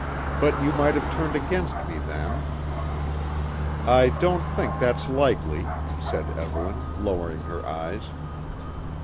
But you might have turned against me then." "I don't think that's likely," said Evelyn, lowering her eyes.